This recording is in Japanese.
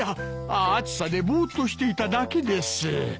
暑さでボーッとしていただけです。